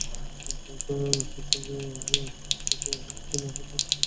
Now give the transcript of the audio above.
তাই তৎসঙ্গে আমি যোগ করতে চাই, হরতাল মানে হচ্ছে তাল হরণ করা।